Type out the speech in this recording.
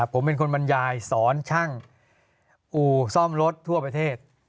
ผมเป็นคนบรรยายสอนช่างอู่ซ่อมรถทั่วประเทศ